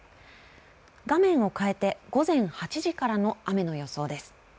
画面を変えて午前８時からの雨の予想です。